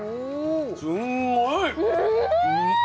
すんごい！